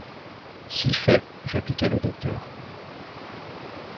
Si fait, répliqua le docteur.